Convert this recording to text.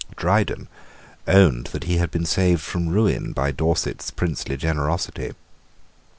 Dryden owned that he had been saved from ruin by Dorset's princely generosity.